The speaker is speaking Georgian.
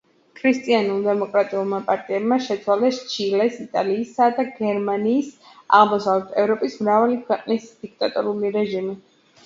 ქრისტიანულ დემოკრატიულმა პარტიებმა შეცვალეს ჩილეს, იტალიისა, გერმანიის და აღმოსავლეთ ევროპის მრავალი ქვეყნის დიქტატორული რეჟიმი.